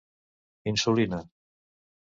Insulina.